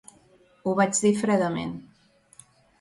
Ho vaig dir fredament.